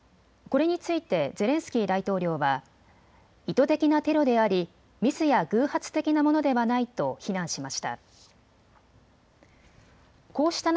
これについてゼレンスキー大統領は意図的なテロでありミスや偶発的なものではないと非難しました。